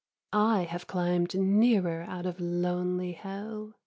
I have climb'd nearer out of lonely Hell.